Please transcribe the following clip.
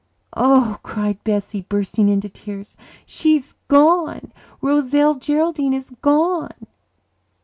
"Oh," cried Bessie, bursting into tears, "she's gone Roselle Geraldine is gone."